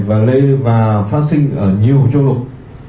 và phát sinh ở nhiều châu lục